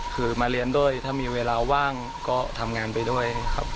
คือมาเรียนด้วยถ้ามีเวลาว่างก็ทำงานไปด้วยครับ